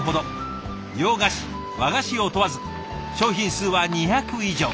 洋菓子和菓子を問わず商品数は２００以上。